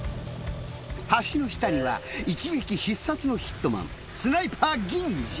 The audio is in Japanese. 橋の下には一撃必殺のヒットマンスナイパー。